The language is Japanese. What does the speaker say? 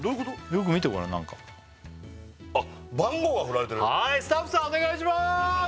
よく見てごらん何かあっはいスタッフさんお願いします